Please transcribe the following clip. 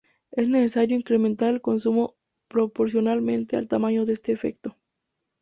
Es necesario incrementar el consumo proporcionalmente al tamaño de este efecto.